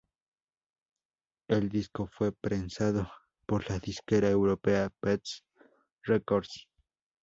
El disco fue prensado por la disquera europea "Pest Records".